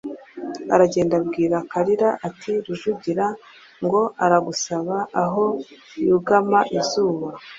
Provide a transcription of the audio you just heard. Aragenda abwira Kalira, ati «Rujugira ngo aragusaba aho yugama izuba».